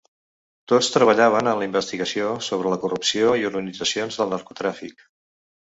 Tots treballaven en la investigació sobre la corrupció i organitzacions del narcotràfic.